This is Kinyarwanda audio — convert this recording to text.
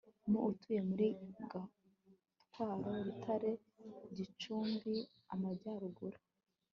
mu utuye muri Gatwaro Rutare GicumbiAmajyaruguru